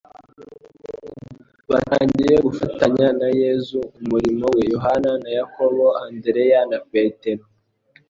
batangiye gufatanya na Yesu umurimo we. Yohana na Yakobo, Andereye na Petero,